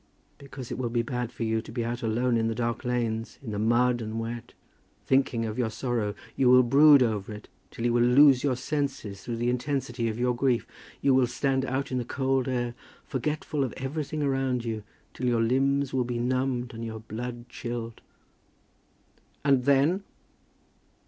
"Because it will be bad for you to be out alone in the dark lanes, in the mud and wet, thinking of your sorrow. You will brood over it till you will lose your senses through the intensity of your grief. You will stand out in the cold air, forgetful of everything around you, till your limbs will be numbed, and your blood chilled, " "And then